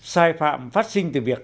sai phạm phát sinh từ việc